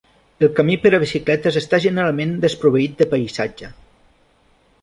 El camí per bicicletes està generalment desproveït de paisatge.